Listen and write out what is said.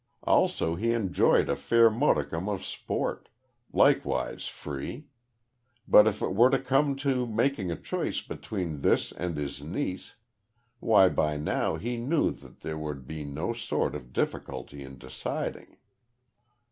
Also he enjoyed a fair modicum of sport likewise free. But if it were to come to making a choice between this and his niece why by now he knew that there would be no sort of difficulty in deciding.